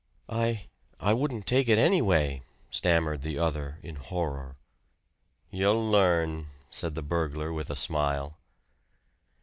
"I I wouldn't take it, anyway," stammered the other in horror. "You'll learn," said the burglar with a smile.